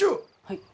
はい。